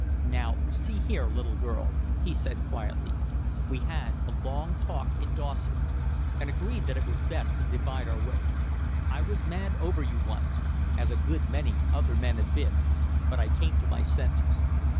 "Now, see here, little girl," he said, quietly, "we had a long talk in Dawson and agreed that it was best to divide our ways. I was mad over you once, as a good many other men have been, but I came to my senses.